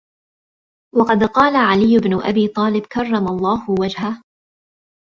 وَقَدْ قَالَ عَلِيُّ بْنُ أَبِي طَالِبٍ كَرَّمَ اللَّهُ وَجْهَهُ